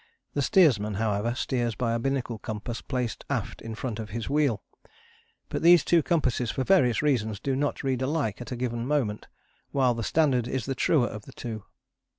The steersman, however, steers by a binnacle compass placed aft in front of his wheel. But these two compasses for various reasons do not read alike at a given moment, while the standard is the truer of the two.